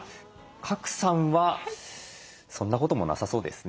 賀来さんはそんなこともなさそうですね。